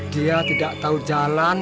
dia tidak tahu jalan